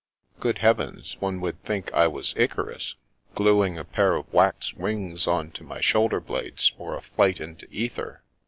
" Good heavens, one would think I was Icarus, gluing a pair of wax wings on to my shoulder blades for a flight into ether.